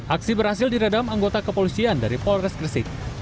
aksi berhasil di redam anggota kepolisian dari polres kresik